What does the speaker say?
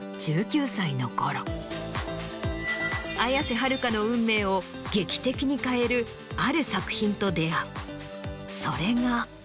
綾瀬はるかの運命を劇的に変えるある作品と出合う。